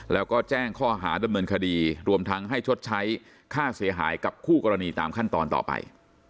แล้วก็แจ้งข้อหาดำเนินคดีรวมทั้งให้ชดใช้ค่าเสียหายกับคู่กรณีตามขั้นตอนต่อไป